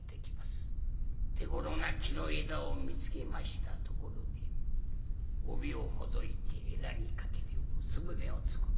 手ごろな木の枝を見つけましたところで帯をほどいて枝にかけて結び目を作る。